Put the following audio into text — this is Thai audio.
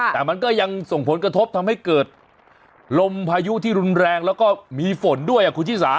แต่มันก็ยังส่งผลกระทบทำให้เกิดลมพายุที่รุนแรงแล้วก็มีฝนด้วยคุณชิสา